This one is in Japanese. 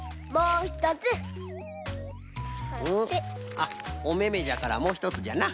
あっおめめじゃからもうひとつじゃな。